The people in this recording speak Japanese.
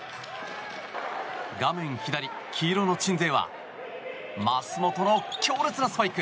画面左、黄色の鎮西は舛本の強烈なスパイク！